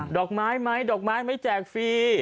ดอกไม้ไหมดอกไม้ไม่แจกฟรี